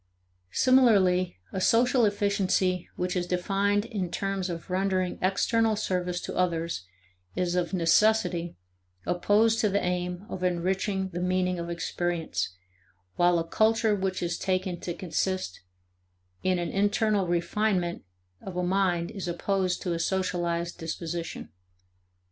Similarly a social efficiency which is defined in terms of rendering external service to others is of necessity opposed to the aim of enriching the meaning of experience, while a culture which is taken to consist in an internal refinement of a mind is opposed to a socialized disposition.